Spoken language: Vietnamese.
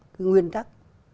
cái nguyên tắc